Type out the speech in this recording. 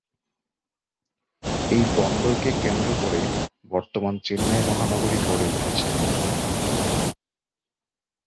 এই বন্দরকে কেন্দ্র করে বর্তমান চেন্নাই মহানগরী গড়ে উঠেছে।